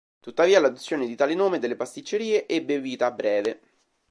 Tuttavia, l'adozione di tale nome delle pasticcerie ebbe vita breve.